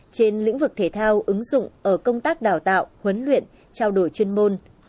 trên lĩnh vực thể thao ứng dụng ở công tác đào tạo huấn luyện trao đổi chuyên môn